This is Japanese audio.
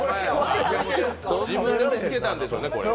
自分で見つけたんでしょうね。